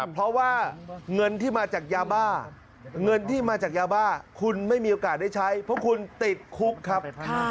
เพราะว่าเงินที่มาจากยาบ้าคุณไม่มีโอกาสได้ใช้เพราะคุณติดคุกครับ